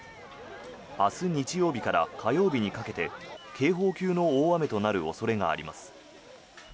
明日日曜日から火曜日にかけて警報級の大雨となる恐れがあります。